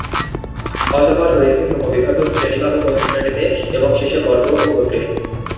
অতঃপর রয়েছে ক্রমবিভাজন শ্রেণী বা উপশ্রেণীতে এবং শেষে বর্গ ও গোত্রে।